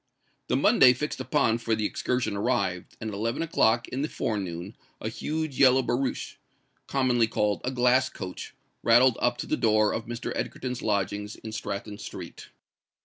The Monday fixed upon for the excursion arrived; and at eleven o'clock in the forenoon a huge yellow barouche, commonly called "a glass coach," rattled up to the door of Mr. Egerton's lodgings in Stratton Street.